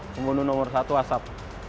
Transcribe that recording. pembunuh nomor satu asap